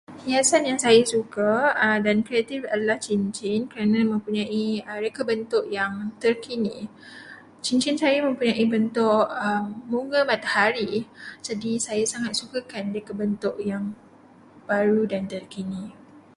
Hiasan yang saya suka dan kreatif adalah cincin kerana mempunyai reka bentuk yang terkini. Cincin saya mempunyai bentuk bunga matahari, jadi saya sangat sukakan reka bentuk yang baru dan terkini.